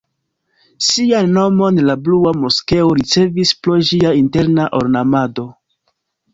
Sian nomon la Blua moskeo ricevis pro ĝia interna ornamado.